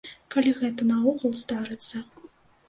Калі гэта наогул здарыцца.